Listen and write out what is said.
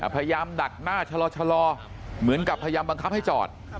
ดักหน้าชะลอเหมือนกับพยายามบังคับให้จอด